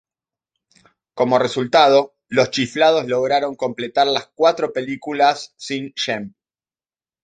Como resultado, los Chiflados lograron completar las cuatro películas sin Shemp.